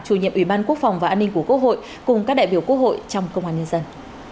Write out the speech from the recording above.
chủ nhiệm ủy ban quốc phòng và an ninh của quốc hội cùng các đại biểu quốc hội trong công an nhân dân